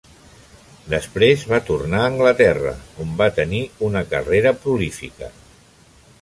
Després va tornar a Anglaterra, on va tenir una carrera prolífica.